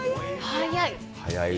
早い。